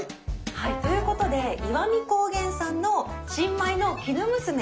はいということで石見高原産の新米のきぬむすめ